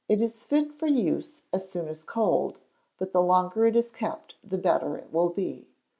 It is fit for use as soon as cold, but the longer it is kept the better it will be.